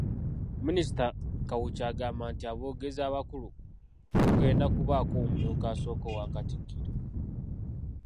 Minisita Kawuki agamba nti aboogezi abakulu kugenda kubaako omumyuka asooka owa Katikkiro .